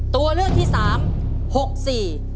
ตัวเลือกที่๓๖สี